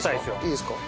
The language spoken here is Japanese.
いいですか？